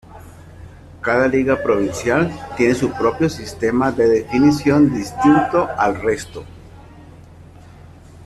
Cada liga Provincial tiene su propio sistema de definición distinto al resto.